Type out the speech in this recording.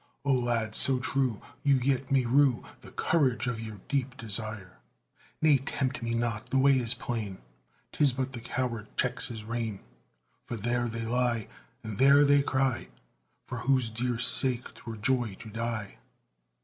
O lad so true, you yet may rue The courage of your deep desire! "Nay, tempt me not; the way is plain 'Tis but the coward checks his rein; For there they lie, And there they cry, For whose dear sake 'twere joy to die!"